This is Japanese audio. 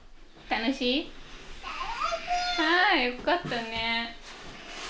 よかったね。